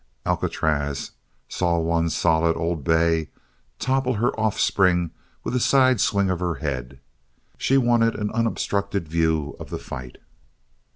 Alcatraz saw one solid old bay topple her offspring with a side swing of her head. She wanted an unobstructed view of the fight.